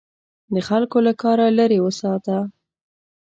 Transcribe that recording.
د خلکو له کاره لیرې وساته.